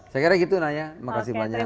senang nanya makasih banyak